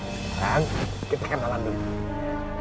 sekarang kita kenalan dulu